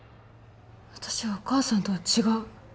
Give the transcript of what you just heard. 私はお母さんとは違う。